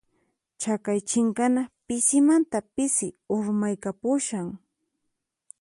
Chaqay chinkana pisimanta pisi urmaykapushan.